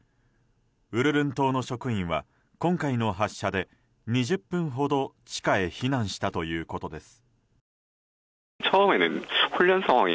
ウルルン島の職員は今回の発射で２０分ほど地下へ避難したということです。